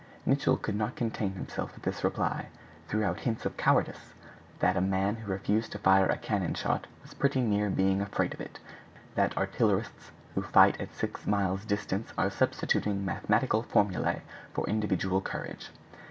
Nicholl could not contain himself at this reply; threw out hints of cowardice; that a man who refused to fire a cannon shot was pretty near being afraid of it; that artillerists who fight at six miles distance are substituting mathematical formulae for individual courage.